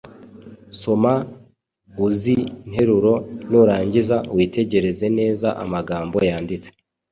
Soma uzi nteruro nurangiza witegereze neza amagambo yanditse